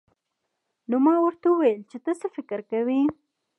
نو ما ورته وويل چې ته څه فکر کوې.